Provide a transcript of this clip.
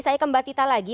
saya ke mbak tita lagi